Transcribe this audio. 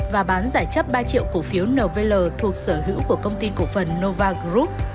và bán giải chấp ba triệu cổ phiếu nvl thuộc sở hữu của công ty cổ phần nova group